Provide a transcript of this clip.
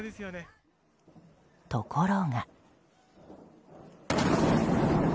ところが。